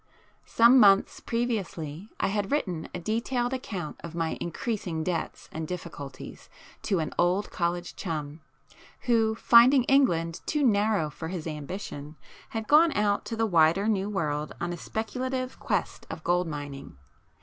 Some months previously I had written a detailed account of my increasing debts and difficulties to an old college chum, who finding England too narrow for his ambition had gone out to the wider New world on a speculative quest of gold mining.